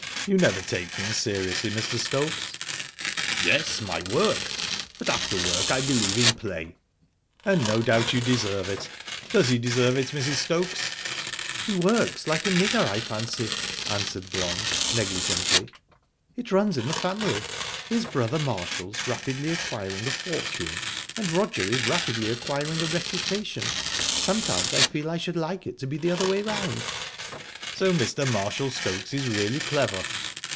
"You never take things seriously, Mr. Stokes?" "Yes, my work. But after work I believe in play." "And no doubt you deserve it. Does he deserve it, Mrs. Stokes?" "He works like a nigger, I fancy," answered Blanche, negligently. "It runs in the family. His brother Marshall's rapidly acquiring a fortune, and Roger is rapidly acquiring a reputation. Sometimes I feel I should like it to be the other way round." "So Mr. Marshall Stokes is really clever?"